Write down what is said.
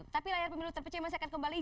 tapi layar pemilu terpercaya masih akan kembali